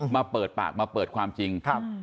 มาเปิดปากมาเปิดความจริง